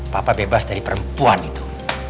papa bebas dari perempuan itu